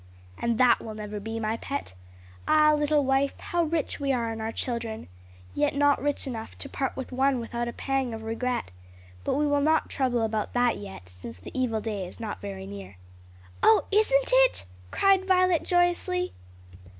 "And that will never be, my pet. Ah, little wife, how rich we are in our children! Yet not rich enough to part with one without a pang of regret. But we will not trouble about that yet, since the evil day is not very near." "Oh isn't it?" cried Violet joyously.